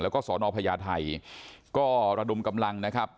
แล้วก็สอนอพญาไทยก็ระดมกำลังนะครับ